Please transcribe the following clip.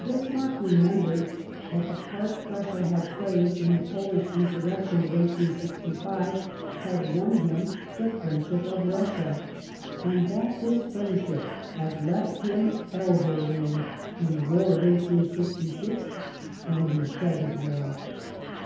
Bismarck remembered that the part Prussia had played in the Polish insurrection of 1865 had won him the friendship of Russia, and that this friendship had left him elbow roorri in the war of 1866 and in the present war.